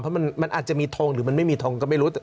เพราะมันอาจจะมีทงหรือมันไม่มีทงก็ไม่รู้